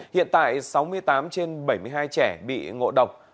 hiện tại sáu mươi tám trên bảy mươi hai trẻ bị ngộ độc